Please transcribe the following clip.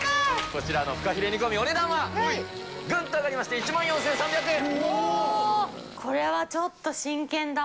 こちらのフカヒレ煮込み、お値段はぐんと上がりまして、１万４３００円。